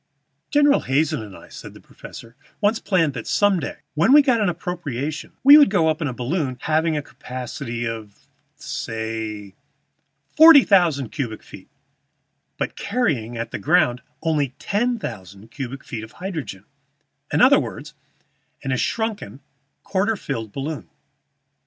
"General Hazen and I," said the professor, "once planned that some day, when we got an appropriation, we would go up in a balloon having a capacity of, say, forty thousand cubic feet, but carrying at the ground only ten thousand cubic feet of hydrogen in other words, in a shrunken, quarter filled balloon.